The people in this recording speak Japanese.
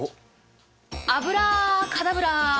アブラカダブラ